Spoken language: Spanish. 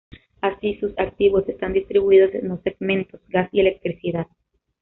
Así, sus activos están distribuidos en dos segmentos: gas y electricidad.